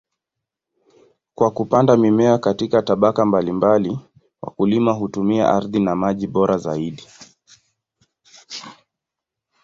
Kwa kupanda mimea katika tabaka mbalimbali, wakulima hutumia ardhi na maji bora zaidi.